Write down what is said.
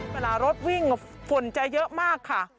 เวลารถวิ่งฝุ่นจะเยอะมากค่ะ